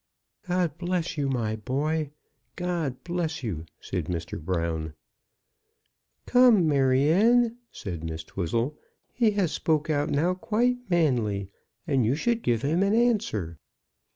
"God bless you, my boy! God bless you!" said Mr. Brown. "Come, Maryanne," said Miss Twizzle, "he has spoke out now, quite manly; and you should give him an answer."